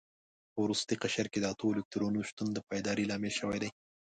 په وروستي قشر کې د اتو الکترونونو شتون د پایداري لامل شوی دی.